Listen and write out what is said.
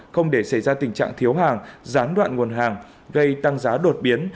không để xảy ra tình trạng thiếu hàng gián đoạn nguồn hàng gây tăng giá đột biến